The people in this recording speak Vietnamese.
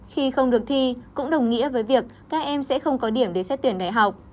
khi không được thi cũng đồng nghĩa với việc các em sẽ không có điểm để xét tuyển đại học